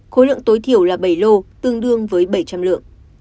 khối lượng tối thiểu là bảy lô tương đương với bảy trăm linh lượng